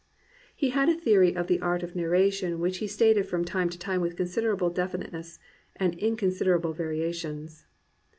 He had a theory of the art of narration which he stated from time to time with considerable definite ness and inconsiderable variations.